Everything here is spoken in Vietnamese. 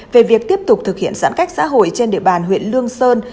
về việc tiếp tục thực hiện giãn cách xã hội trên địa bàn huyện lương sơn